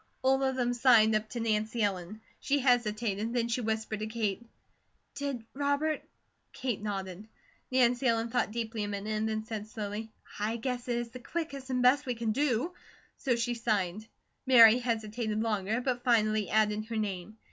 All of them signed up to Nancy Ellen. She hesitated, and she whispered to Kate: "Did Robert ?" Kate nodded. Nancy Ellen thought deeply a minute and then said slowly: "I guess it is the quickest and best we can do." So she signed. Mary hesitated longer, but finally added her name.